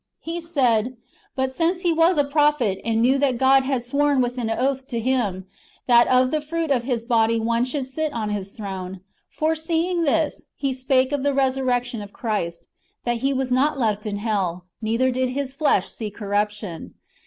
He said, " But since he was a prophet, and knew that God had sworn with an oath to him, that of the fruit of his body one should sit in his throne ; foreseeing this, he spake of the resurrection of Christ, that He was not left in hell, neither did His flesh see corruption.